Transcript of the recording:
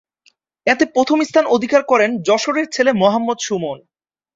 এতে প্রথম স্থান অধিকার করেন যশোরের ছেলে মোহাম্মদ সুমন।